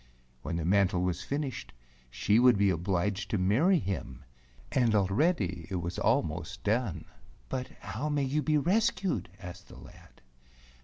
When the mantle was finished she would be obliged to marry him, and already it was almost done. " But how may you be rescued ?" asked the lad.